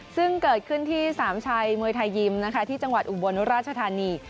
ซึ่งเกิดขึ้นที่สามชัยมวยไทยยิมนะคะที่จังหวัดอุบลราชธานี